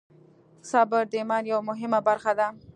صبر د ایمان یوه مهمه برخه ده.